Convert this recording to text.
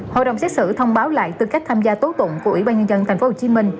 hội đồng xét xử thông báo lại tư cách tham gia tố tụng của ủy ban nhân dân tp hcm